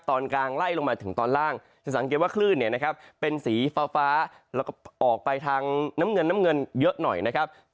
ตอนกลางไล่ลงมาถึงตอนล่างจะสังเกตว่าคลื่นเนี่ยนะครับเป็นสีฟ้าแล้วก็ออกไปทางน้ำเงินน้ำเงินเยอะหน่อยนะครับ